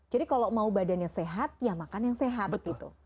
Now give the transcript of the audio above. jadi kalau mau badannya sehat ya makan yang sehat gitu